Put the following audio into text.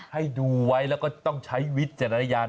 ให้ดูไว้แล้วก็ต้องใช้วิจารณญาณ